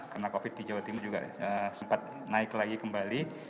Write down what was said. karena covid di jawa timur juga sempat naik lagi kembali